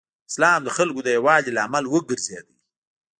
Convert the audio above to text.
اسلام د خلکو د یووالي لامل وګرځېد.